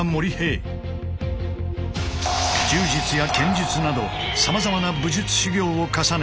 柔術や剣術などさまざまな武術修行を重ね